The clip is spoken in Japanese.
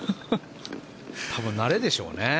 多分、慣れでしょうね。